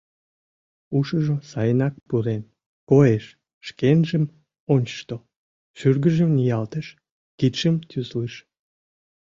Ушыжо сайынак пурен, коеш: шкенжым ончышто, шӱргыжым ниялтыш, кидшым тӱслыш.